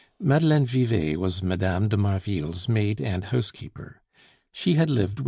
Madeleine Vivet was Mme. de Marville's maid and housekeeper. She had lived with M.